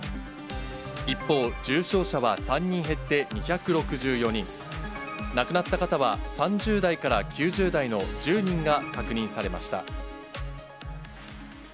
一方、重症者は３人減って２６４人、亡くなった方は３０代から９０代の１０人が確認されました。